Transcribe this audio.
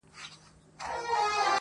غورځولو ته د پلار یې ځان تیار کړ؛